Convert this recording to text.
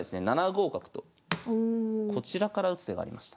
７五角とこちらから打つ手がありました。